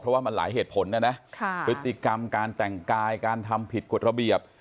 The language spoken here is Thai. เพราะว่ามันหลายเหตุผลนะนะพฤติกรรมการแต่งกายการทำผิดกฎระเบียบ